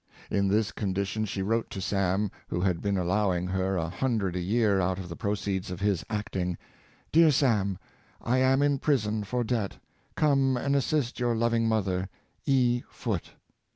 In this condition she wrote to Sam, who had been allow ing her a hundred a year out of the proceeds of his acting: " Dear Sam, I am in prison for debt; come and assist your loving mother, E. Foote."